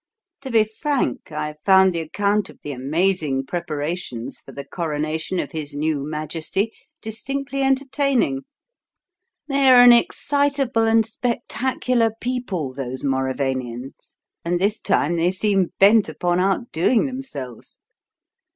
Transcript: To be frank, I found the account of the amazing preparations for the coronation of his new Majesty distinctly entertaining. They are an excitable and spectacular people, those Mauravanians, and this time they seem bent upon outdoing themselves."